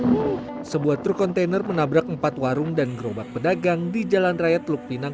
hai sebuah truk kontainer menabrak empat warung dan gerobak pedagang di jalan raya teluk pinang